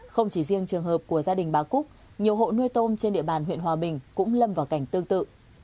không chỉ riêng trường hợp của gia đình bà cúc nhiều hộ nuôi tôm trên địa bàn huyện hòa bình cũng lâm vào cảnh tương tự